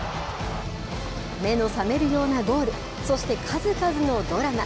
目の覚めるようなゴール、そして数々のドラマ。